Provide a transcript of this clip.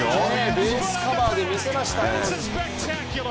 ベースカバーで見せました。